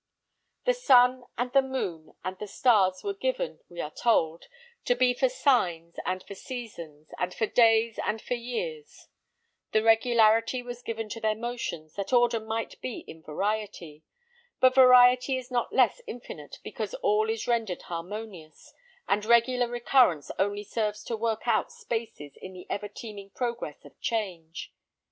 The sun, and the moon, and the stars, were given, we are told, to be for signs, and for seasons, and for days, and for years; and regularity was given to their motions, that order might be in variety; but variety is not less infinite because all is rendered harmonious, and regular recurrence only serves to work out spaces in the ever teeming progress of change.